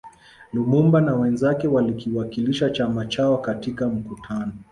Lumumba na wenzake walikiwakilisha chama chao katika mkutano